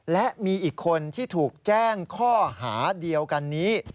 และมีอีกคนที่ถูกแจ้งข้อหาเดียวกันนี้